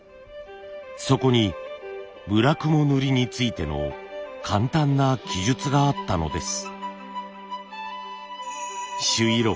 そこに叢雲塗についての簡単な記述があったのです。